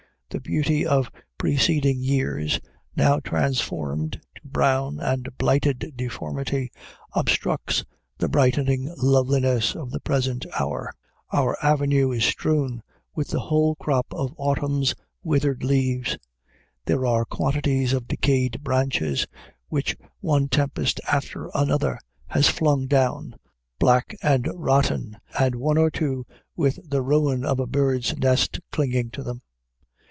The beauty of preceding years, now transformed to brown and blighted deformity, obstructs the brightening loveliness of the present hour. Our avenue is strewn with the whole crop of autumn's withered leaves. There are quantities of decayed branches which one tempest after another has flung down, black and rotten, and one or two with the ruin of a bird's nest clinging to them.